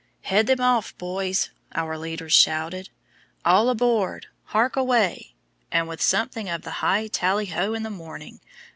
"Head them off, boys!" our leader shouted; "all aboard; hark away!" and with something of the "High, tally ho in the morning!"